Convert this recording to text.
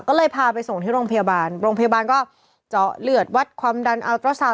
ก็เลยพาไปส่งที่โรงพยาบาลโรงพยาบาลก็เจาะเลือดวัดความดันอัลตราซาว